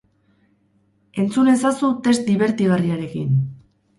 Entzun ezazu test dibertigarriarekin!